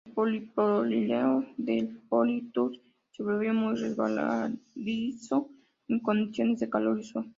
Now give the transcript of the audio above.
El polipropileno del Poli-Turf se volvió muy resbaladizo en condiciones de calor y sol.